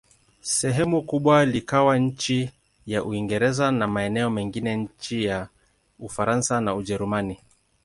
Sehemu kubwa likawa chini ya Uingereza, na maeneo mengine chini ya Ufaransa na Ujerumani.